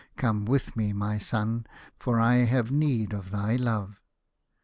Come with me, my son, for I have need of thy love."